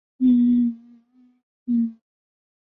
汤之旅花莲瑞穗温泉